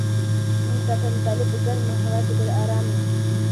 سپین کاټن کالي په ګرمه هوا کې ډېر ارام وي.